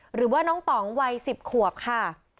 หรือว่าน้องต่องวัย๑๐ขวบค่ะ